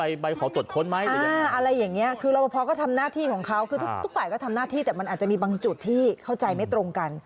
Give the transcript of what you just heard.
อธิบายขอตรวจค้นไหมอะไรอย่างนี้คือเราพอก็ทำหน้าที่ของเขาคือทุกคนก็ทำหน้าที่แต่มันอาจจะมีบางจุดที่เข้าใจไม่ตรงกัน